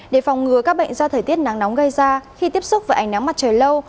để phòng ngừa các bệnh do thời tiết nắng nóng gây ra khi tiếp xúc với ánh nắng mặt trời lâu